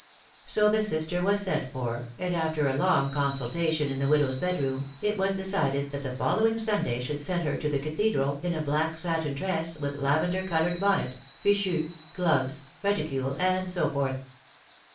So the sister was sent for, and after a long consultation in the widow's bed room, it was decided that the following Sunday should send her to the cathe&al in a black satin dress, with lavender coloured bonnet, fichu, gloves, reticule, and so forth.